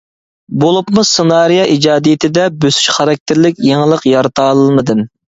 بولۇپمۇ سېنارىيە ئىجادىيىتىدە بۆسۈش خاراكتېرلىك يېڭىلىق يارىتالمىدىم.